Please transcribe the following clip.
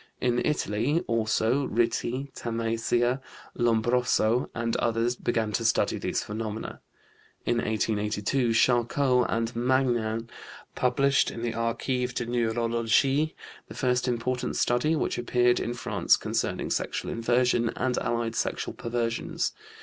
In Italy, also, Ritti, Tamassia, Lombroso, and others began to study these phenomena. In 1882 Charcot and Magnan published in the Archives de Neurologie the first important study which appeared in France concerning sexual inversion and allied sexual perversions.